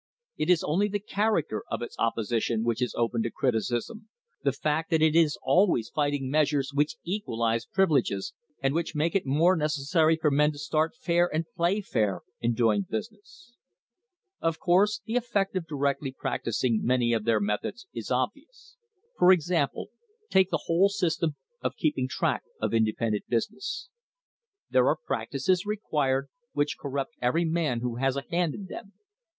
It is only the character of its opposition which is open to criticism, the fact that it is always fight ing measures which equalise privileges and which make it more necessary for men to start fair and play fair in doing business. Of course the effect of directly practising many of their methods is obvious. For example, take the whole system of keeping track of independent business. There are practices required which corrupt every man who has a hand in them.